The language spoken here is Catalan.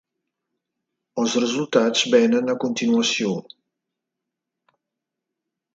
Els resultats venen a continuació.